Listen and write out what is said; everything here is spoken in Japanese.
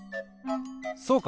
そうか！